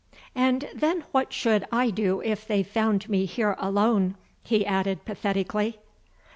"And then what should I do if they found me here alone?" he added pathetically.